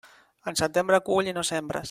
En setembre cull i no sembres.